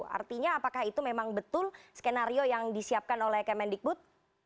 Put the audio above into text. artinya apakah itu memang betul skenario yang disiapkan oleh kemendikbud